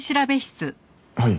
はい。